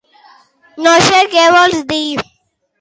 No sé què vols dir.